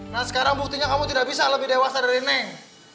nah sekarang buktinya kamu tidak bisa lebih dewasa dari neng